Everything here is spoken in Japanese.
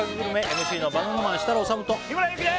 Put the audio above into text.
ＭＣのバナナマン設楽統と日村勇紀です